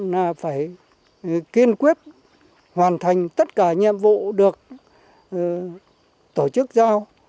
là phải kiên quyết hoàn thành tất cả nhiệm vụ được tổ chức giao